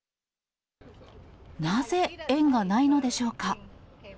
なぜ円がないのでしょうか。